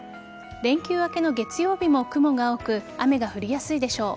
連休明けの月曜日も雲が多く雨が降りやすいでしょう。